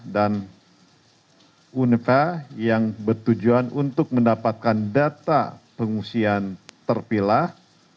dan uneva yang bertujuan untuk mendapatkan data pengungsian terpilah